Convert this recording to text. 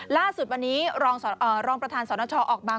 ล่าสุดวันนี้รองประธานสนชออกมา